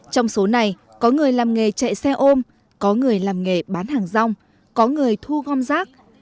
trong số này có người làm nghề chạy xe ôm có người làm nghề bán hàng rong có người thu gom rác